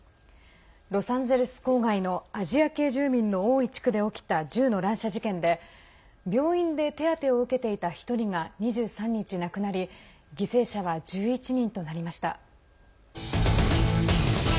ロサンゼルス郊外のアジア系住民の多い地区で起きた銃の乱射事件で病院で手当てを受けていた１人が２３日、亡くなり犠牲者は１１人となりました。